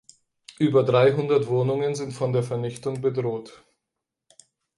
Über dreihundert Wohnungen sind von der Vernichtung bedroht.